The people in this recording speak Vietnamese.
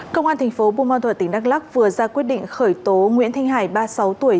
công an tp bumal thuật tỉnh đắk lắc vừa ra quyết định khởi tố nguyễn thanh hải ba mươi sáu tuổi